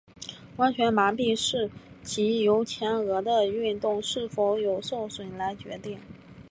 完全麻痹是藉由前额的运动是否有受损来决定。